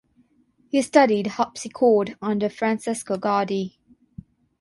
He studied harpsichord under Francesco Gardi.